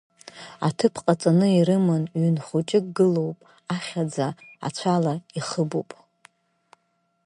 Аҭыԥ ҟаҵаны ирыман, ҩын хәыҷык гылоп, ахьаӡа ацәала ихыбуп.